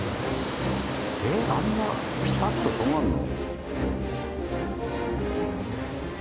えっあんなピタッと止まるの？